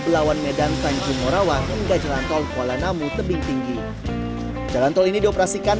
belawan medan tanjung morawang hingga jalan tol kuala namu tebing tinggi jalan tol ini dioperasikan